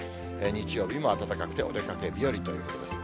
日曜日も暖かくてお出かけ日和ということです。